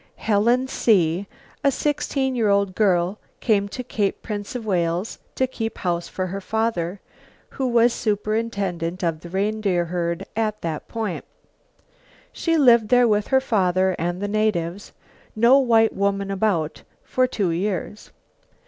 Helen C , a sixteen year old girl, came to Cape Prince of Wales to keep house for her father, who was superintendent of the reindeer herd at that point. She lived there with her father and the natives no white woman about for two years.